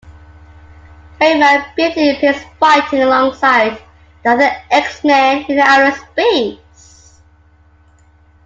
Karima briefly appears fighting alongside the other X-Men in outer space.